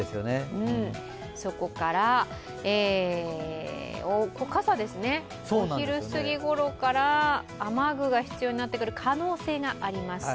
そこから傘ですね、昼すぎごろから雨具が必要になってくる可能性があります。